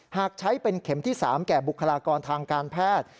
หากใช้เป็นเข็มที่๓แก่บุคลากรทางการแพทย์